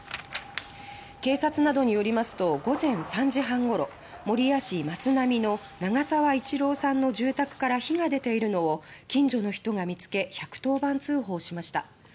警察などによりますと午前３時半ごろ守谷市松並の永沢伊智朗さんの住宅から火が出ているのを近所の人が見つけ１１０番通報しました。